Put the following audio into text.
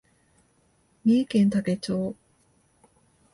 三重県多気町